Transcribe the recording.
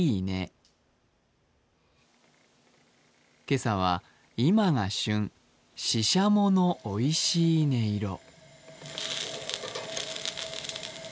今朝は、今が旬、ししゃものおいしい音色。